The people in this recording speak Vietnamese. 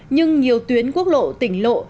nhưng nhiều tuyến quốc lộ tỉnh lộ